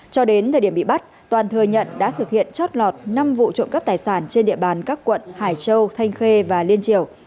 cho đến thời điểm bị bắt toàn thừa nhận đã thực hiện chót lọt năm vụ trộm cắp tài sản trên địa bàn các quận hải châu thanh khê và liên triều